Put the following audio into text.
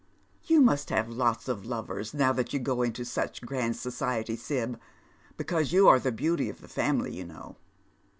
" You must have lots of lovers now that you go into such grand society, Sib, because you are the beauty of the family, you know.